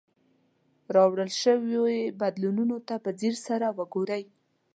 راوړل شوي بدلونونو ته په ځیر سره وګورئ.